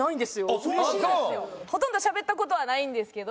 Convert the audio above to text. ほとんどしゃべった事はないんですけど。